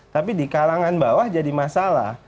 tapi di kalangan bawah jadi masalah